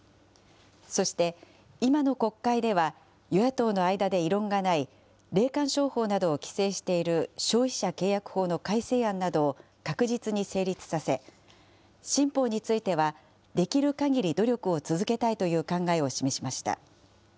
そして、今の国会では、与野党の間で異論がない、霊感商法などを規制している消費者契約法の改正案などを確実に成立させ、新法については、できるかぎり努力を続けたいという考えを示しました。